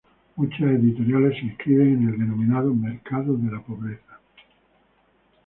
Muchas editoriales se inscriben en el denominado "mercado de la pobreza".